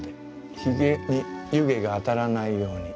ひげに湯気が当たらないように。